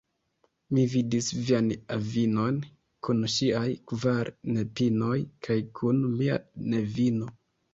Mi vidis vian avinon kun ŝiaj kvar nepinoj kaj kun mia nevino.